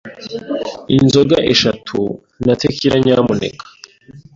Inzoga eshatu na tequila nyamuneka.